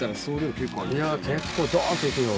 結構ドン！と行くよ。